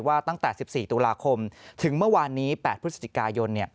ตั้งแต่๑๔ตุลาคมถึงเมื่อวานนี้๘พฤศจิกายน